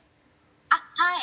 あっはい。